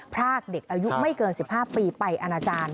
พรากเด็กอายุไม่เกิน๑๕ปีไปอนาจารย์